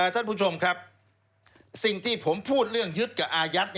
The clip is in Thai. ท่านผู้ชมครับสิ่งที่ผมพูดเรื่องยึดกับอายัด